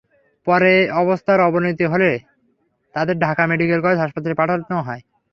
পরে অবস্থার অবনতি হলে তাঁদের ঢাকা মেডিকেল কলেজ হাসপাতালে পাঠানো হয়।